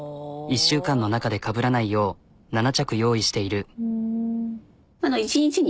１週間の中でかぶらないよう７着用意している。